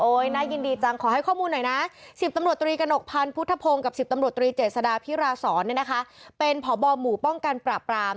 น่ายินดีจังขอให้ข้อมูลหน่อยนะ๑๐ตำรวจตรีกระหนกพันธ์พุทธพงศ์กับ๑๐ตำรวจตรีเจษดาพิราศรเป็นพบหมู่ป้องกันปราบราม